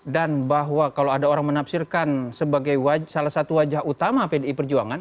dan bahwa kalau ada orang menafsirkan sebagai salah satu wajah utama pdi perjuangan